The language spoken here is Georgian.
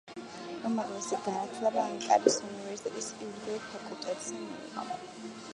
უმაღლესი განათლება ანკარის უნივერსიტეტის იურიდიულ ფაკულტეტზე მიიღო.